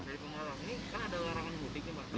ini kan ada larangan mudik